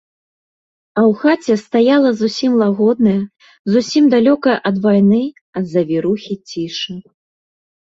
А ў хаце стаяла зусім лагодная, зусім далёкая ад вайны, ад завірухі ціша.